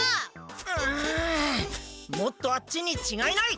うんもっとあっちにちがいない！